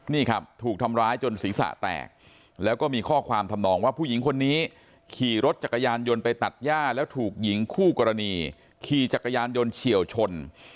นี่ครับถูกทำร้ายจนศีรษะแตกแล้วก็มีข้อความทำนองว่าผู้หญิงคนนี้ขี่รถจักรยานยนต์ไปตัดย่าแล้วถูกหญิงคู่กรณีขี่จักรยานยนต์เฉียวชน